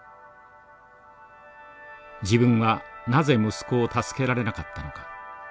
「自分はなぜ息子を助けられなかったのか」。